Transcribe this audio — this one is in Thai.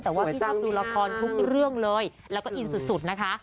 แต่ว่าพี่ชอบดูละครทุกเรื่องเลยแล้วก็อินสุดนะคะ